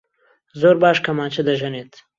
زۆر باش کەمانچە دەژەنێت.